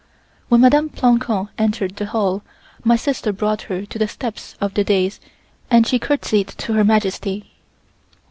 When Mdme. Plancon entered the hall, my sister brought her to the steps of the dais and she courtesied to Her Majesty.